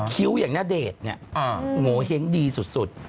คิวอย่างน่าเดชโงงเท้งดีสุด